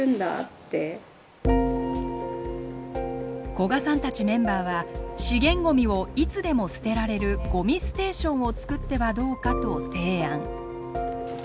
古賀さんたちメンバーは資源ごみをいつでも捨てられるごみステーションを作ってはどうかと提案。